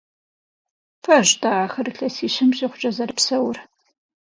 Пэж-тӏэ ахэр илъэсищэм щӏигъукӏэ зэрыпсэур?